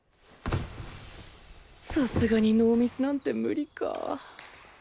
さすがにノーミスなんて無理かぁ